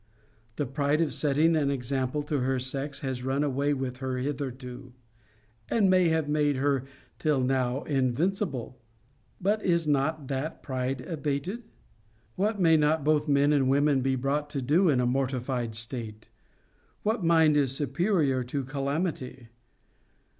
The pride of setting an example to her sex has run away with her hitherto, and may have made her till now invincible. But is not that pride abated? What may not both men and women be brought to do in a mortified state? What mind is superior to calamity?